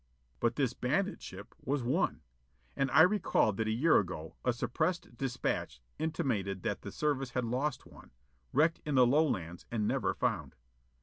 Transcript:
But this bandit ship was one. And I recalled that a year ago, a suppressed dispatch intimated that the Service had lost one wrecked in the Lowlands and never found.